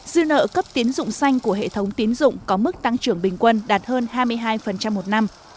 tổ chức tiến dụng xanh của hệ thống tiến dụng có mức tăng trưởng bình quân đạt hơn hai mươi hai một năm